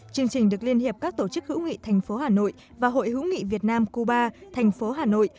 chương trình được liên hiệp các tổ chức hữu nghị thành phố hà nội và hội hữu nghị việt nam cuba thành phố hà nội